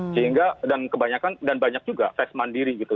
sehingga dan kebanyakan dan banyak juga tes mandiri gitu